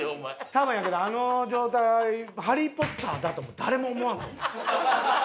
多分やけどあの状態ハリー・ポッターだとも誰も思わんと思う。